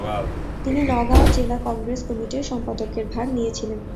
তিনি নগাঁও জেলা কংগ্রেস কমিটির সম্পাদকের ভার নিয়েছিলেন।